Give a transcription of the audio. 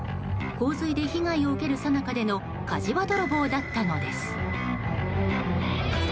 洪水で被害を受けるさなかでの火事場泥棒だったのです。